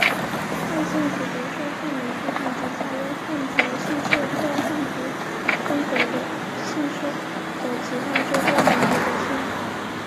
汉姓指的是汉民族以及采用汉族姓氏或汉族风格的姓氏的其他周边民族的姓。